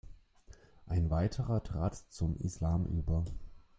Ein weiterer trat zum Islam über.